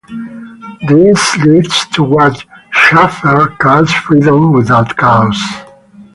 This leads to what Schaeffer calls Freedom without chaos.